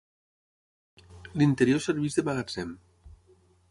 L'interior serveix de magatzem.